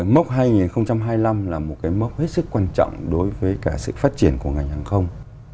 mốc hai nghìn hai mươi năm là một cái mốc hết sức quan trọng đối với cả sự phát triển của ngành hàng không